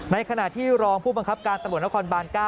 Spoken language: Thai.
ในขณะที่รองผู้บังคับการตำรวจนครบาน๙